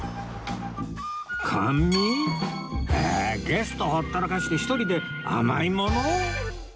ゲストほったらかして１人で甘いもの！？